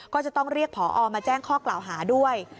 ก็จะต้องเรียกผอมาแจ้งข้อกล่าวหาด้วย